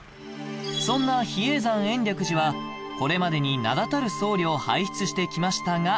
そんな比叡山延暦寺はこれまでに名だたる僧侶を輩出してきましたが